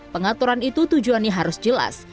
pengaturan itu tujuannya harus jelas